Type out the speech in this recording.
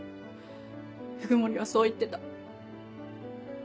鵜久森はそう言ってた。